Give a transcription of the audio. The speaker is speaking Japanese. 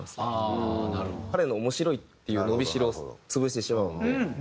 彼の面白いっていう伸び代を潰してしまうので。